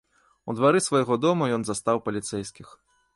У двары свайго дома ён застаў паліцэйскіх.